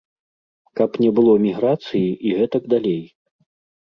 Каб не было міграцыі і гэтак далей.